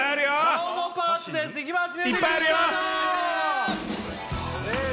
顔のパーツですいきます